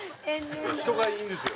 人がいいんですよ。